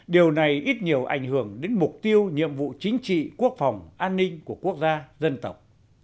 điều này ít nhiều ảnh hưởng đến mục tiêu nhiệm vụ chính trị quốc phòng an ninh của quốc gia dân tộc